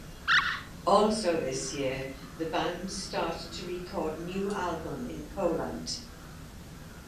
Also this year the band start to record new album in Poland.